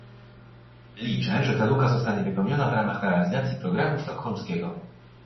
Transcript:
Liczę, że ta luka zostanie wypełniona w ramach realizacji programu sztokholmskiego